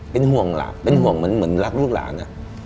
เป็นห่วงเหมือนรักลูกหลาน